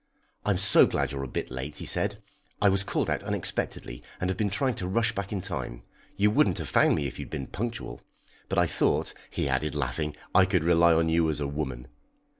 "I'm so glad you're a bit late," he said. "I was called out unexpectedly, and have been trying to rush back in time. You wouldn't have found me if you had been punctual. But I thought," he added, laughing, "I could rely on you as a woman."